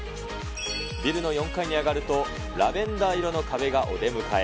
ビルの４階に上がると、ラベンダー色の壁がお出迎え。